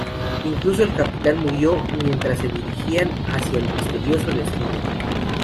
Incluso el capitán murió mientras "se dirigían" hacia el misterioso destino.